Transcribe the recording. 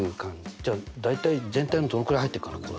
じゃあ大体全体のどのくらい入ってるかな？